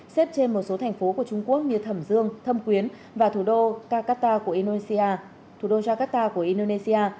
xếp trên một số thành phố của trung quốc như thẩm dương thâm quyến và thủ đô jakarta của indonesia